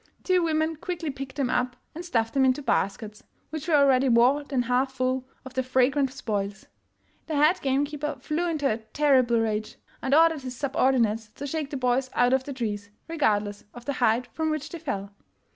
Two women quickly picked them up and stuffed them into baskets, which were already more than half full of the fragrant spoils. The head game keeper flew into a terrible rage, and ordered his subordinates to shake the boys out of the trees, regardless of the height from which they fell.